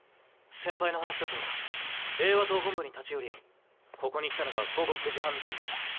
先輩の話だと栄和党本部に立ち寄りここに来たのが午後９時半前後。